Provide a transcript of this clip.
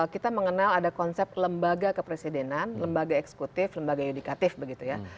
kita mengenal ada konsep lembaga kepresidenan lembaga eksekutif lembaga yudikatif begitu ya